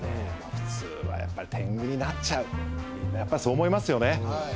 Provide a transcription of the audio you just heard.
普通はやっぱり天狗になっちゃうみんなやっぱそう思いますよね